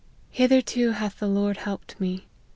Hitherto hath the Lord helped me.